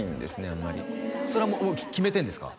あんまりそれはもう決めてんですか？